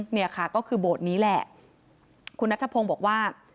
เนี่ยค่ะก็คือโบสถ์นี้แหละคุณนัทธพงศ์บอกว่า